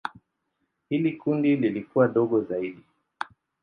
Hili kundi lilikuwa dogo zaidi.